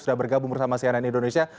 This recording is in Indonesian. sudah bergabung bersama cnn indonesia